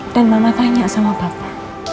dan mama tanya sama papa